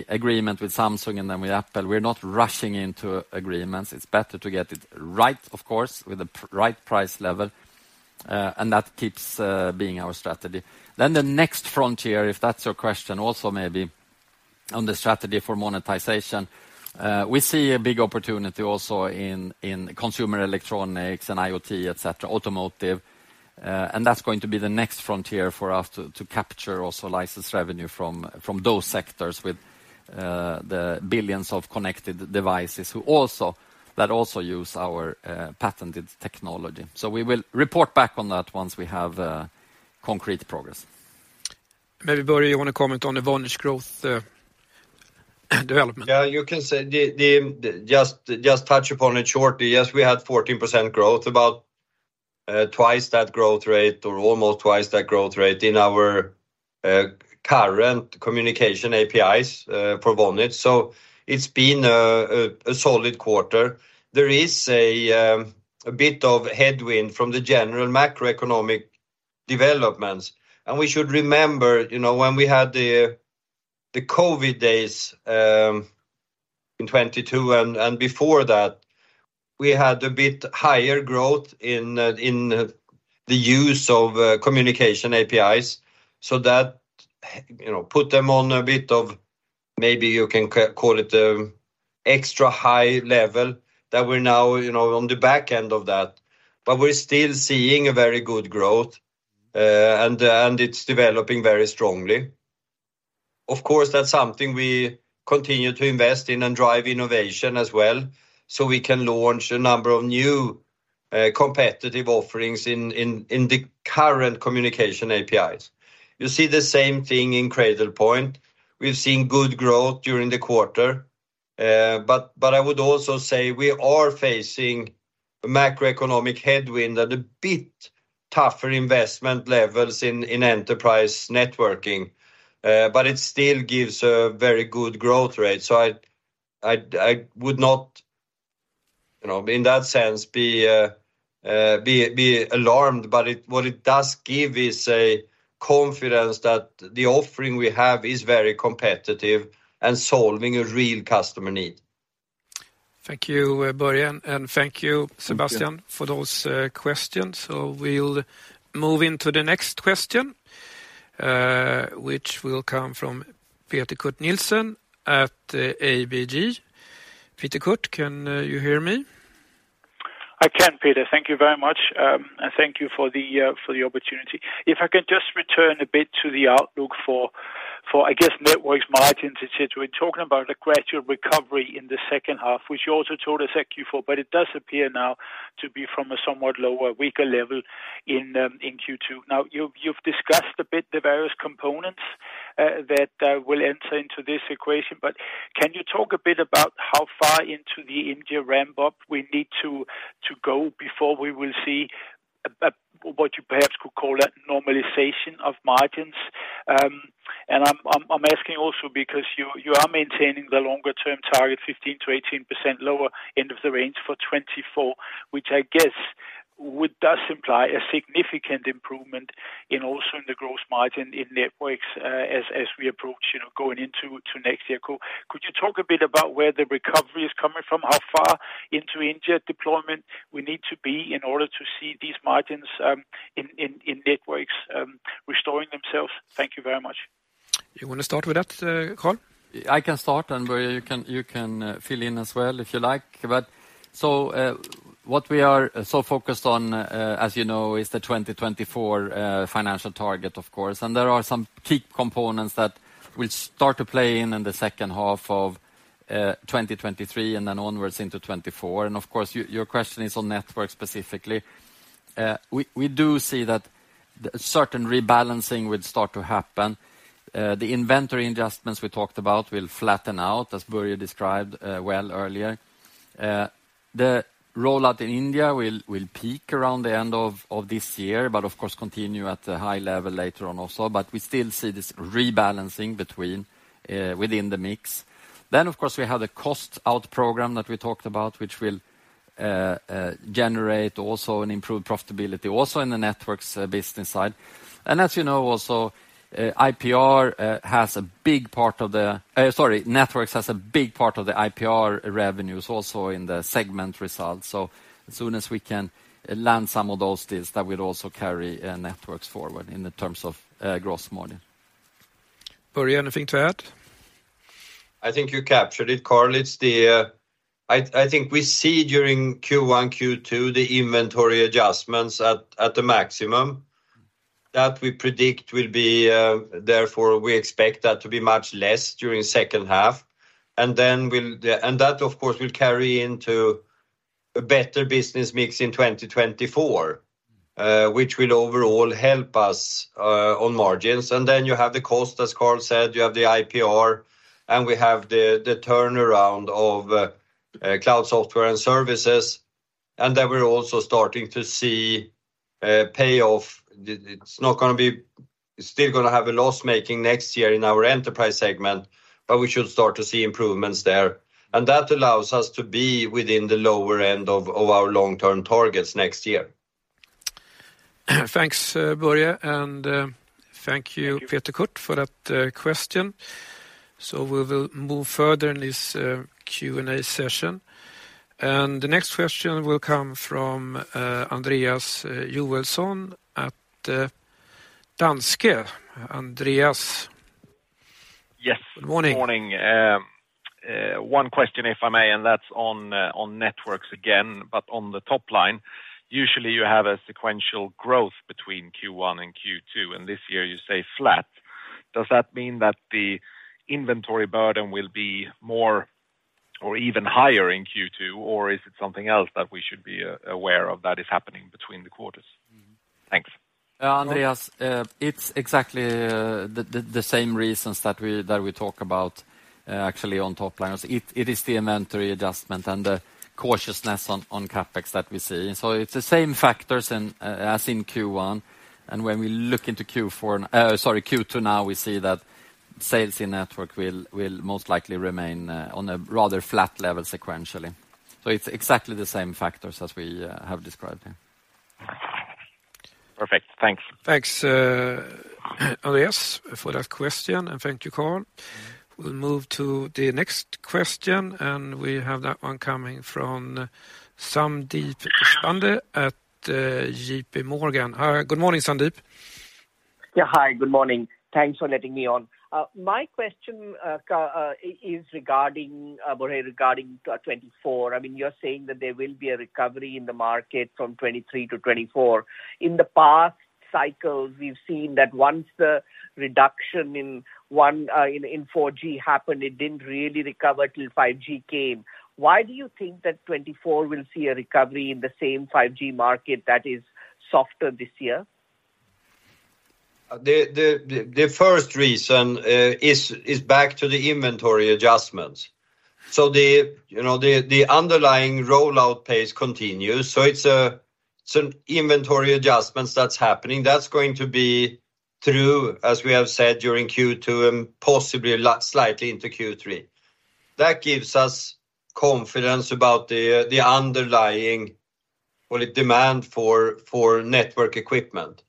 agreement with Samsung and then with Apple, we're not rushing into agreements. It's better to get it right, of course, with the right price level, and that keeps being our strategy. The next frontier, if that's your question also maybe on the strategy for monetization, we see a big opportunity also in consumer electronics and IoT, et cetera, automotive. That's going to be the next frontier for us to capture also license revenue from those sectors with the billions of connected devices that also use our patented technology. We will report back on that once we have concrete progress. Maybe Börje, you wanna comment on the Vonage growth development? Yeah, you can say just touch upon it shortly. Yes, we had 14% growth, about twice that growth rate or almost twice that growth rate in our current communication APIs for Vonage. It's been a solid quarter. There is a bit of headwind from the general macroeconomic developments. We should remember, you know, when we had the COVID days in 2022 and before that, we had a bit higher growth in the use of communication APIs. That, you know, put them on a bit of, maybe you can call it, extra high level that we're now, you know, on the back end of that. We're still seeing a very good growth and it's developing very strongly. Of course, that's something we continue to invest in and drive innovation as well, so we can launch a number of new, competitive offerings in the current communication APIs. You see the same thing in Cradlepoint. We've seen good growth during the quarter. I would also say we are facing a macroeconomic headwind at a bit tougher investment levels in enterprise networking. It still gives a very good growth rate. I would not, you know, in that sense be alarmed. What it does give is a confidence that the offering we have is very competitive and solving a real customer need. Thank you, Börje, and thank you, Sébastien, for those questions. We'll move into the next question, which will come from Peter Kurt Nielsen at ABG. Peter Kurt, can you hear me? I can, Peter. Thank you very much. Thank you for the opportunity. If I could just return a bit to the outlook for, I guess, Networks margins, et cetera. We're talking about a gradual recovery in the second half, which you also told us at Q4, but it does appear now to be from a somewhat lower, weaker level in Q2. You've discussed a bit the various components that will enter into this equation, but can you talk a bit about how far into the India ramp-up we need to go before we will see a what you perhaps could call a normalization of margins? I'm asking also because you are maintaining the longer term target 15%-18% lower end of the range for 2024, which I guess does imply a significant improvement in also in the gross margin in networks, as we approach, you know, going into next year. Could you talk a bit about where the recovery is coming from? How far into India deployment we need to be in order to see these margins, in networks, restoring themselves? Thank you very much. You wanna start with that, Carl? I can start, Börje you can fill in as well if you like. What we are so focused on, as you know, is the 2024 financial target, of course. There are some key components that will start to play in in the second half of 2023 onwards into 2024. Your question is on networks specifically. We do see that certain rebalancing would start to happen. The inventory adjustments we talked about will flatten out, as Börje described well earlier. The rollout in India will peak around the end of this year, of course continue at a high level later on also. We still see this rebalancing between within the mix. Of course, we have the cost out program that we talked about, which will generate also an improved profitability also in the networks business side. As you know also, Networks has a big part of the IPR revenues also in the segment results. As soon as we can land some of those deals, that will also carry Networks forward in the terms of gross margin. Börje, anything to add? I think you captured it, Carl. I think we see during Q1, Q2, the inventory adjustments at a maximum. That we predict will be, therefore we expect that to be much less during second half. That, of course, will carry into a better business mix in 2024, which will overall help us on margins. Then you have the cost, as Carl said. You have the IPR, and we have the turnaround of Cloud Software and Services. Then we're also starting to see payoff. It's still gonna have a loss-making next year in our enterprise segment, but we should start to see improvements there. That allows us to be within the lower end of our long-term targets next year. Thanks, Börje, and thank you, Peter Kurt, for that question. We will move further in this Q&A session. The next question will come from Andreas Joelsson at Danske. Andreas? Yes. Good morning. Morning. One question, if I may, and that's on Networks again, but on the top line. Usually, you have a sequential growth between Q1 and Q2, and this year you say flat. Does that mean that the inventory burden will be more or even higher in Q2, or is it something else that we should be aware of that is happening between the quarters? Thanks. Andreas, it's exactly the same reasons that we talk about, actually on top line. It is the inventory adjustment and the cautiousness on CapEx that we see. It's the same factors as in Q1. When we look into Q4 sorry, Q2 now, we see that sales in network will most likely remain on a rather flat level sequentially. It's exactly the same factors as we have described here. Perfect. Thanks. Thanks, Andreas, for that question. Thank you, Carl. We'll move to the next question. We have that one coming from Sandeep Deshpande at JPMorgan. Hi, good morning, Sandeep. Yeah, hi. Good morning. Thanks for letting me on. My question is regarding Börje, regarding 2024. I mean, you're saying that there will be a recovery in the market from 2023 to 2024. In the past cycles, we've seen that once the reduction in one, in 4G happened, it didn't really recover till 5G came. Why do you think that 2024 will see a recovery in the same 5G market that is softer this year? The first reason is back to the inventory adjustments. You know, the underlying rollout pace continues. Inventory adjustments that's happening, that's going to be true, as we have said, during Q2 and possibly slightly into Q3. That gives us confidence about the underlying demand for network equipment.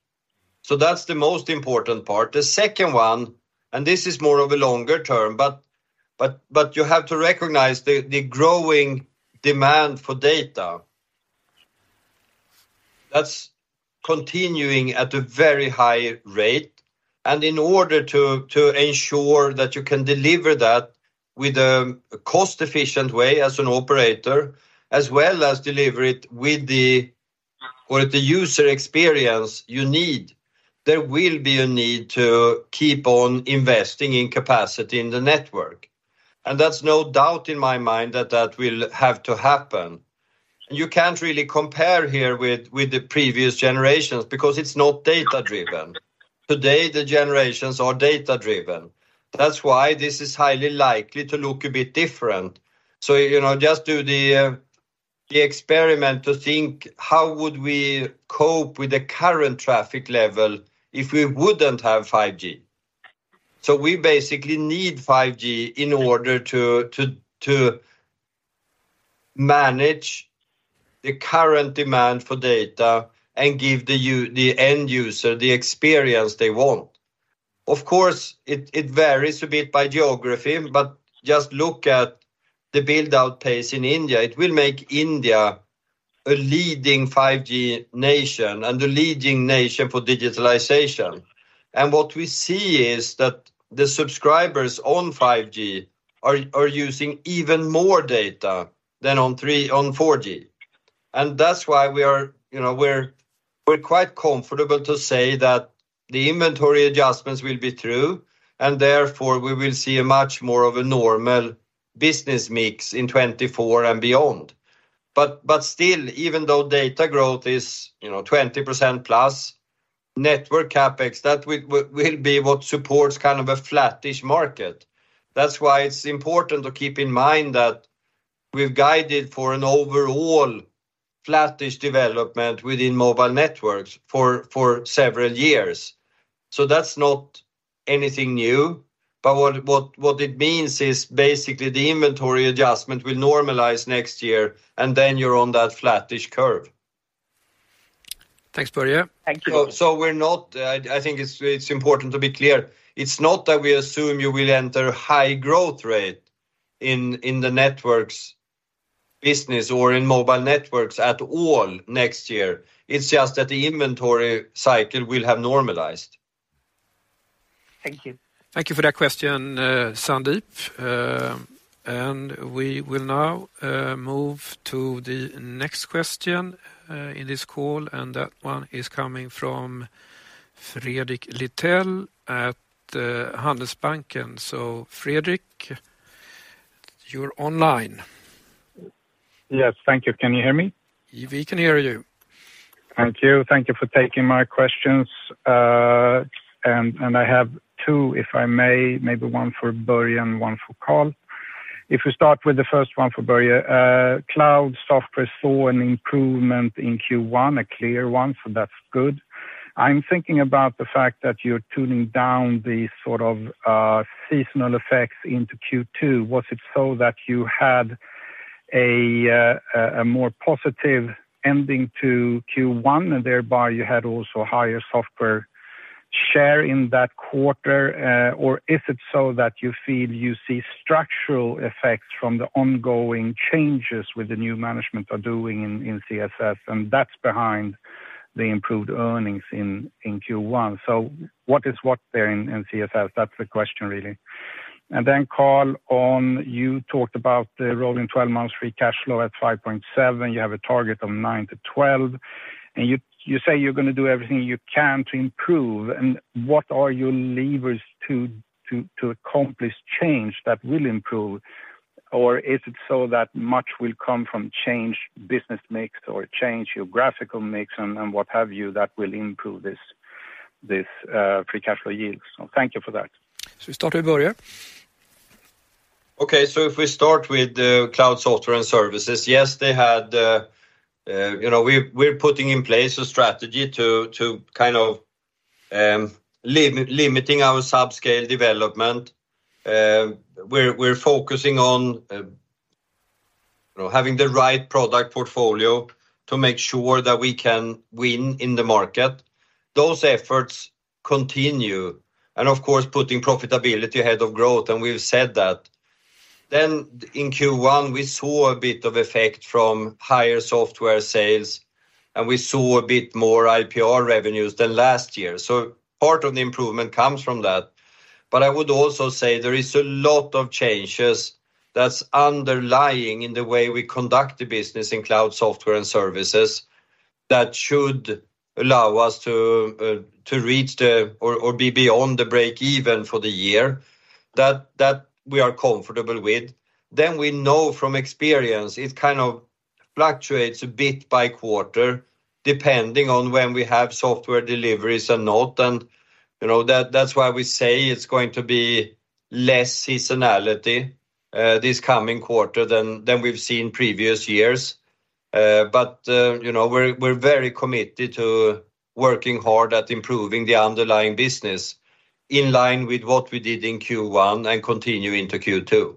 That's the most important part. The second one, this is more of a longer term, but you have to recognize the growing demand for data. That's continuing at a very high rate. In order to ensure that you can deliver that with a cost-efficient way as an operator, as well as deliver it or the user experience you need, there will be a need to keep on investing in capacity in the network. That's no doubt in my mind that that will have to happen. You can't really compare here with the previous generations because it's not data-driven. Today, the generations are data-driven. That's why this is highly likely to look a bit different. You know, just do the experiment to think, how would we cope with the current traffic level if we wouldn't have 5G? We basically need 5G in order to manage the current demand for data and give the end user the experience they want. Of course, it varies a bit by geography, but just look at the build-out pace in India. It will make India a leading 5G nation and a leading nation for digitalization. What we see is that the subscribers on 5G are using even more data than on 4G. That's why we are, you know, we're quite comfortable to say that the inventory adjustments will be through, and therefore, we will see a much more of a normal business mix in 2024 and beyond. Still, even though data growth is, you know, 20%+ Network CapEx, that will be what supports kind of a flattish market. That's why it's important to keep in mind that we've guided for an overall flattish development within mobile networks for several years. That's not anything new. What it means is basically the inventory adjustment will normalize next year, and then you're on that flattish curve. Thanks, Börje. I think it's important to be clear. It's not that we assume you will enter high growth rate in the Networks business or in mobile networks at all next year. It's just that the inventory cycle will have normalized. Thank you. Thank you for that question, Sandeep. We will now move to the next question in this call, and that one is coming from Fredrik Lithell at Handelsbanken. Fredrik, you're online. Yes. Thank you. Can you hear me? We can hear you. Thank you. Thank you for taking my questions. I have two, if I may, maybe one for Börje and one for Carl. If we start with the first one for Börje, Cloud Software saw an improvement in Q1, a clear one, so that's good. I'm thinking about the fact that you're tuning down the sort of, seasonal effects into Q2. Was it so that you had a more positive ending to Q1, and thereby you had also higher software share in that quarter? Or is it so that you feel you see structural effects from the ongoing changes with the new management are doing in CSS, and that's behind the improved earnings in Q1? What is what there in CSS? That's the question, really. Carl, on, you talked about the rolling 12 months free cash flow at 5.7. You have a target of 9-12. You say you're gonna do everything you can to improve. What are your levers to accomplish change that will improve? Is it so that much will come from change business mix or change your graphical mix and what have you that will improve this free cash flow yields? Thank you for that. Should we start with Börje? If we start with the Cloud Software and Services, yes, they had. You know, we're putting in place a strategy to kind of limiting our subscale development. We're focusing on, you know, having the right product portfolio to make sure that we can win in the market. Those efforts continue, and of course, putting profitability ahead of growth, and we've said that. In Q1, we saw a bit of effect from higher software sales, and we saw a bit more IPR revenues than last year. Part of the improvement comes from that. I would also say there is a lot of changes that's underlying in the way we conduct the business in Cloud Software and Services that should allow us to reach the or be beyond the break even for the year that we are comfortable with. We know from experience, it kind of fluctuates a bit by quarter, depending on when we have software deliveries and not. You know, that's why we say it's going to be less seasonality this coming quarter than we've seen previous years. You know, we're very committed to working hard at improving the underlying business in line with what we did in Q1 and continue into Q2.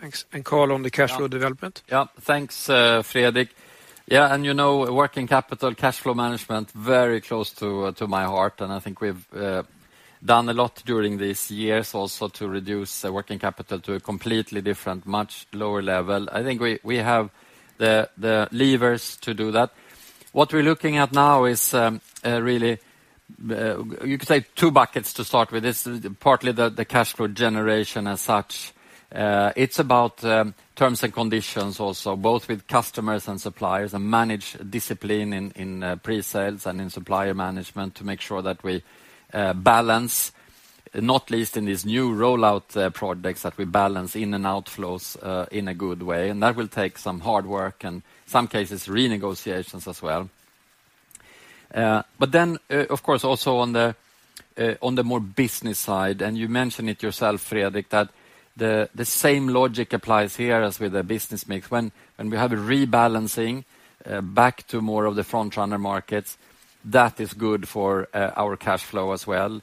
Thanks. Carl, on the cash flow development. Thanks, Fredrik. You know, working capital cash flow management very close to my heart, and I think we've done a lot during these years also to reduce the working capital to a completely different, much lower level. I think we have the levers to do that. What we're looking at now is really, you could say two buckets to start with. This is partly the cash flow generation as such. It's about terms and conditions also, both with customers and suppliers and manage discipline in presales and in supplier management to make sure that we balance, not least in these new rollout projects that we balance in and outflows in a good way. That will take some hard work and some cases renegotiations as well. Of course, also on the more business side, and you mentioned it yourself, Fredrik, that the same logic applies here as with the business mix. When we have a rebalancing back to more of the front runner markets, that is good for our cash flow as well.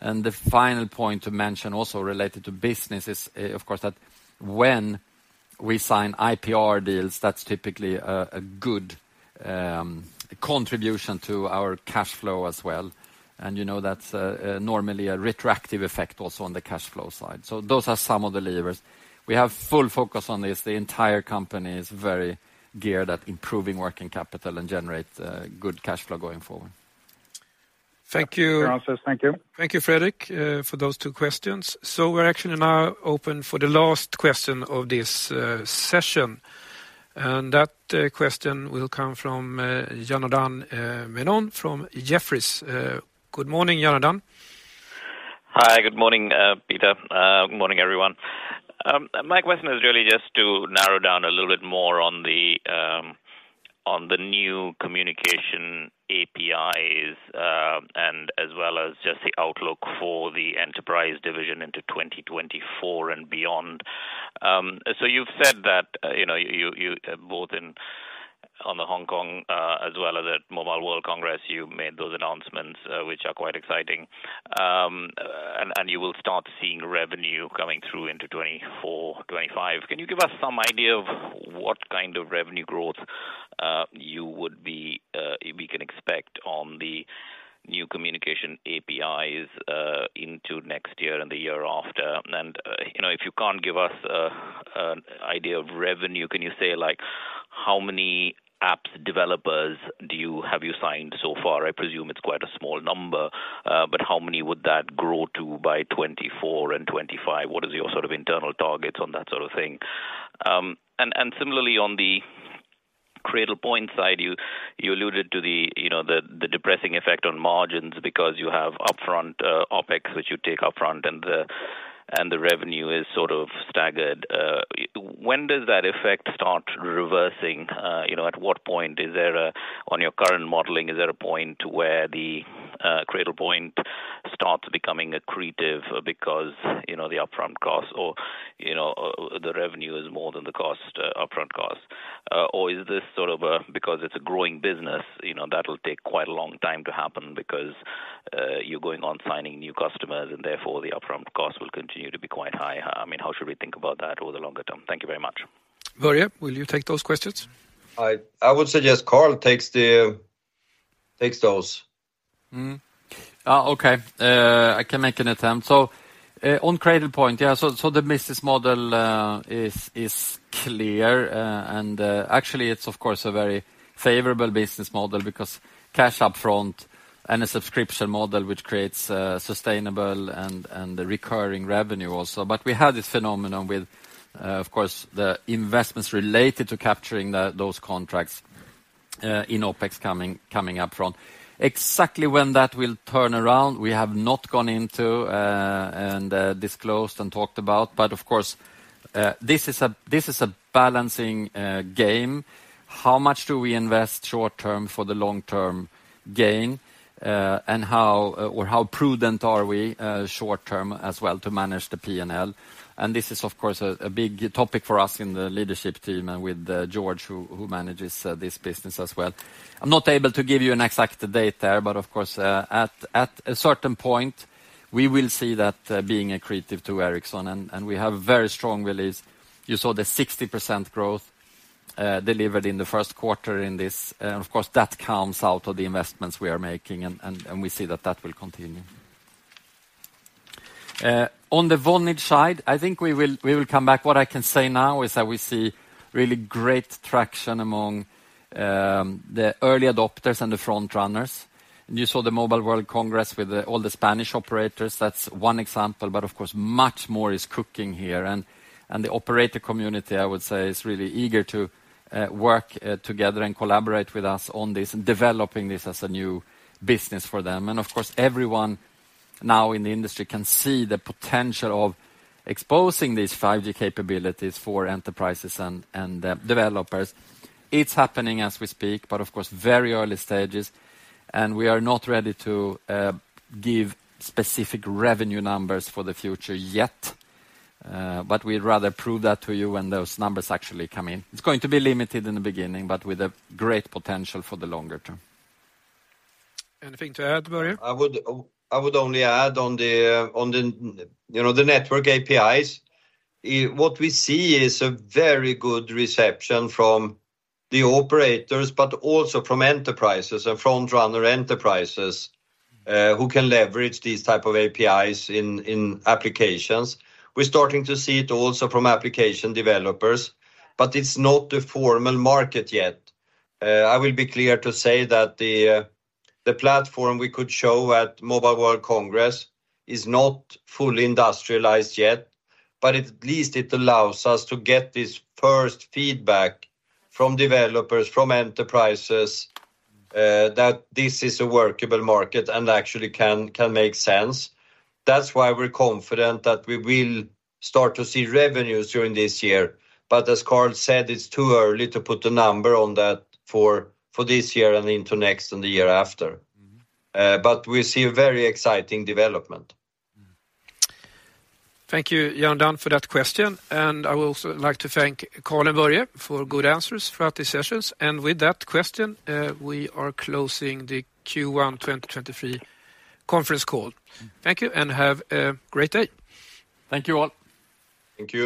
The final point to mention also related to business is, of course, that when we sign IPR deals, that's typically a good contribution to our cash flow as well. You know, that's normally a retractive effect also on the cash flow side. Those are some of the levers. We have full focus on this. The entire company is very geared at improving working capital and generate good cash flow going forward. Thank you. Your answers. Thank you. Thank you, Fredrik, for those two questions. We're actually now open for the last question of this session. That question will come from Janardan Menon from Jefferies. Good morning, Janardan. Hi. Good morning, Peter. Good morning, everyone. My question is really just to narrow down a little bit more on the new communication APIs, and as well as just the outlook for the enterprise division into 2024 and beyond. You've said that, you know, you both on the Hong Kong, as well as at Mobile World Congress, you made those announcements, which are quite exciting. You will start seeing revenue coming through into 2024, 2025. Can you give us some idea of what kind of revenue growth, we can expect on the new communication APIs, into next year and the year after? You know, if you can't give us an idea of revenue, can you say, like, how many apps developers have you signed so far? I presume it's quite a small number, but how many would that grow to by 2024 and 2025? What is your sort of internal targets on that sort of thing? Similarly on the Cradlepoint side, you alluded to the, you know, the depressing effect on margins because you have upfront OpEx, which you take upfront, and the revenue is sort of staggered. When does that effect start reversing? You know, at what point on your current modeling, is there a point where the Cradlepoint starts becoming accretive because, you know, the upfront costs or, you know, the revenue is more than the cost, upfront cost? Is this sort of a, because it's a growing business, you know, that will take quite a long time to happen because you're going on signing new customers and therefore the upfront cost will continue to be quite high. I mean, how should we think about that over the longer term? Thank you very much. Börje, will you take those questions? I would suggest Carl takes those. Okay. I can make an attempt. On Cradlepoint, yeah, the business model is clear. And actually, it's of course a very favorable business model because cash upfront and a subscription model which creates sustainable and recurring revenue also. We have this phenomenon with of course, the investments related to capturing those contracts in OpEx coming up front. Exactly when that will turn around, we have not gone into and disclosed and talked about. Of course, this is a balancing game. How much do we invest short-term for the long-term gain? And how or how prudent are we short-term as well to manage the P&L? This is, of course, a big topic for us in the leadership team and with George, who manages this business as well. I'm not able to give you an exact date there, but of course, at a certain point, we will see that being accretive to Ericsson, and we have a very strong release. You saw the 60% growth delivered in the first quarter in this. Of course, that comes out of the investments we are making and we see that that will continue. On the Vonage side, I think we will come back. What I can say now is that we see really great traction among the early adopters and the front runners. You saw the Mobile World Congress with all the Spanish operators. That's one example. Of course, much more is cooking here. The operator community, I would say, is really eager to work together and collaborate with us on this and developing this as a new business for them. Of course, everyone now in the industry can see the potential of exposing these 5G capabilities for enterprises and the developers. It's happening as we speak, but of course, very early stages, and we are not ready to give specific revenue numbers for the future yet. We'd rather prove that to you when those numbers actually come in. It's going to be limited in the beginning, but with a great potential for the longer term. Anything to add, Börje? I would only add on the, you know, the network APIs. What we see is a very good reception from the operators, but also from enterprises and front runner enterprises, who can leverage these type of APIs in applications. We're starting to see it also from application developers. It's not the formal market yet. I will be clear to say that the platform we could show at Mobile World Congress is not fully industrialized yet. At least it allows us to get this first feedback from developers, from enterprises, that this is a workable market and actually can make sense. That's why we're confident that we will start to see revenues during this year. As Carl said, it's too early to put a number on that for this year and into next and the year after. We see a very exciting development. Thank you, Janardan, for that question. I would also like to thank Carl and Börje for good answers throughout these sessions. With that question, we are closing the Q1 2023 conference call. Thank you, and have a great day. Thank you all. Thank you.